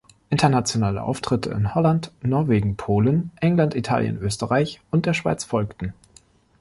Internationale Auftritte in Holland, Norwegen, Polen, England, Italien, Österreich und der Schweiz folgten.